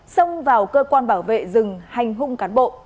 xông vào cơ quan bảo vệ rừng hành hung cán bộ